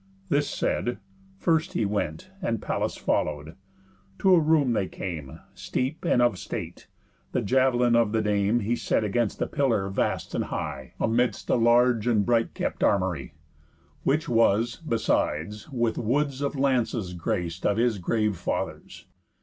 This said, first he went, And Pallas follow'd. To a room they came, Steep, and of state; the jav'lin of the Dame He set against a pillar vast and high, Amidst a large and bright kept armory, Which was, besides, with woods of lances grac'd Of his grave father's.